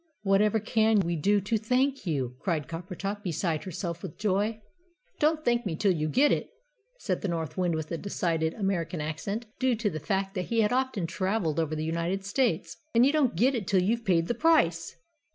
"Whatever CAN we do to thank you?" cried Coppertop, beside herself with joy. "Don't thank me till you get it," said the North Wind, with a decided American accent, due to the fact that he had often travelled over the United States. "And you don't get it till you've paid the price!"